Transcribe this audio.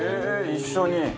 一緒に？」